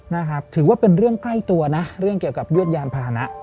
นะครับถือว่าเป็นเรื่องใกล้ตัวนะเรื่องเกี่ยวกับยวดยานพาหนะ